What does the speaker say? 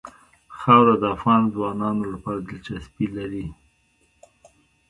خاوره د افغان ځوانانو لپاره دلچسپي لري.